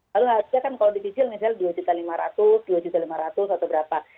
lalu harga kan kalau dicicil misalnya rp dua lima ratus dua lima ratus atau berapa